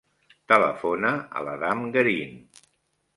Telefona a l'Adam Garin.